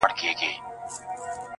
څنګ ته د میخورو به د بنګ خبري نه کوو-